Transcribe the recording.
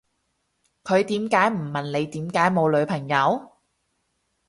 佢點解唔問你點解冇女朋友